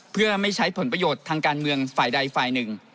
เพื่อไม่ใช้ผลประโยชน์ทางการเมืองฝ่ายใดฝ่ายหนึ่ง